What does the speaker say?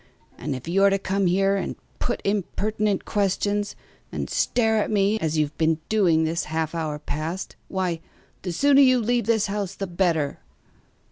And if you're to come here and put impertinent questions, and stare at me as you've been doing this half hour past, why, the sooner you leave this house the better!"